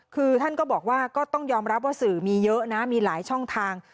คือท่านก็บอกว่าก็ต้องยอมรับว่าสื่อมีเยอะนะมีหลายช่องทาง